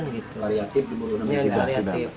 variatif di gunung rumah smp